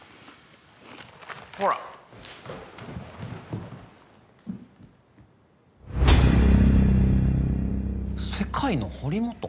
ほら世界の堀本？